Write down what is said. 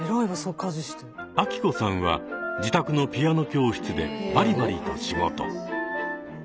明子さんは自宅のピアノ教室でバリバリと仕事。